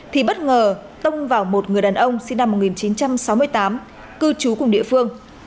thì bất ngờ tông vào một người đàn ông sinh năm một nghìn chín trăm sáu mươi tám cư trú cùng địa phương